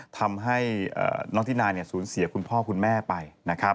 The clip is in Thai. ทำให้น้องที่นายสูญเสียคุณพ่อคุณแม่ไปนะครับ